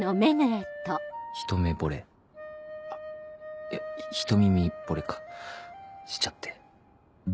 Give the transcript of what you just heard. ひと目ぼれあっいやひと耳ぼれかしちゃって。